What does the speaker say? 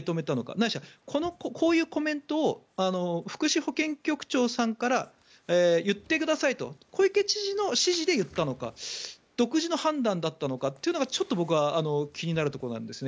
ないしは、こういうコメントを福祉保健局長さんから言ってくださいと小池知事の指示で言ったのか独自の判断だったのかがちょっと僕は気になるところなんですね。